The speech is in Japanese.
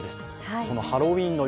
そのハロウィーンの夜